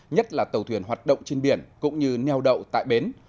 nhất là tàu thuyền hoạt động trên biển cũng như neo đậu tại bến